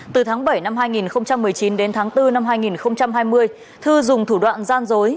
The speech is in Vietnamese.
từ tháng bảy năm hai nghìn một mươi chín đến tháng bốn năm hai nghìn hai mươi thư dùng thủ đoạn gian dối